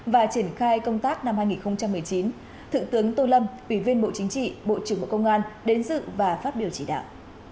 và triển khai công tác năm hai nghìn một mươi chín thượng tướng tô lâm ủy viên bộ chính trị bộ trưởng bộ công an đến dự và phát biểu chỉ đạo